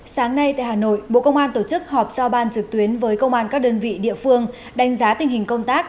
sáng nay tại hà nội bộ công an tổ chức họp giao ban trực tuyến với công an các đơn vị địa phương đánh giá tình hình công tác